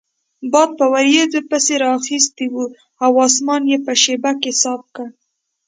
باد په وریځو پسې رااخیستی وو او اسمان یې په شیبه کې صاف کړ.